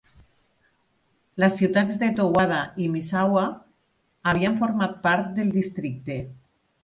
Les ciutats de Towada i Misawa havien format part del districte.